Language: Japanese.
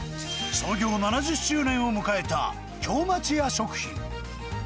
創業７０周年を迎えた京町屋食品。